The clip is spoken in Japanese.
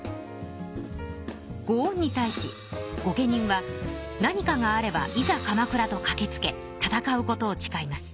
ご恩に対し御家人は何かがあれば「いざ鎌倉」とかけつけ戦うことをちかいます。